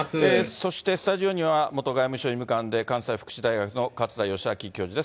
そして、スタジオには元外務省医務官で関西福祉大学の勝田吉彰教授です。